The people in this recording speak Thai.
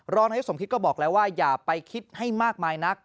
รองให้สมคิดก็บอกแล้วว่าอย่าไปคิดให้มากมายนัก